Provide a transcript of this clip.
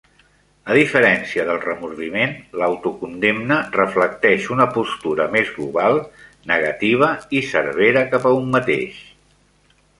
A diferència del remordiment, l'autocondemna reflecteix una postura més global, negativa i servera cap a un mateix.